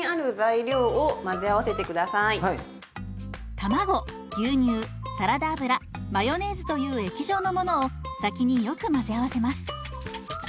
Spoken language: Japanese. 卵牛乳サラダ油マヨネーズという液状のものを先によく混ぜ合わせます。